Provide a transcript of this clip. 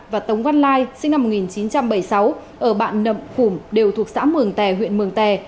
và tống văn lai sinh năm một nghìn chín trăm bảy mươi sáu ở bản nậm phủm đều thuộc xã mường tè huyện mường tè